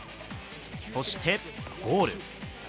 そしてボール。